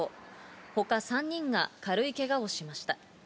他３人が軽いけがをしました。